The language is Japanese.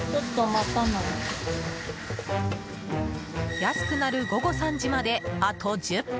安くなる午後３時まであと１０分。